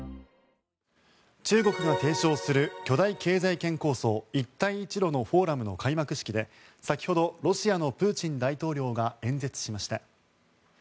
中国が提唱する巨大経済圏構想、一帯一路のフォーラムの開幕式で先ほど、ロシアのプーチン大統領が演説しました。